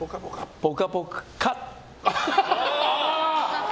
ぽかぽかっ！